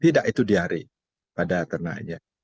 tidak itu diare pada ternaknya